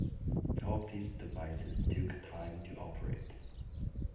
All of these devices took time to operate.